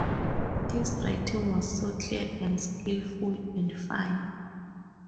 His writing was so clear, and skillful, and fine.